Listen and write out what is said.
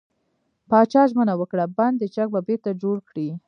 پاچا ژمنه وکړه، بند چک به بېرته جوړ کړي .